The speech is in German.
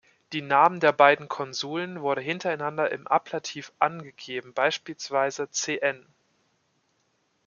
Die Namen der beiden Konsuln wurden hintereinander im Ablativ angegeben, beispielsweise "Cn.